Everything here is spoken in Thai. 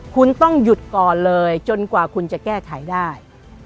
คุณต้องหยุดก่อนเลยจนกว่าคุณจะแก้ไขได้